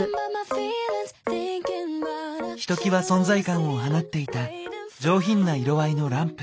ひときわ存在感を放っていた上品な色合いのランプ。